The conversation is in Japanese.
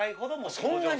そんなに！？